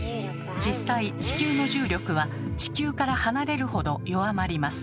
実際地球の重力は地球から離れるほど弱まります。